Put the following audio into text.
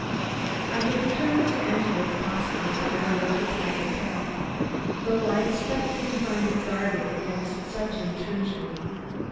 I had determined to enter if possible by way of the private path, though I expected to find it guarded against just such intrusion.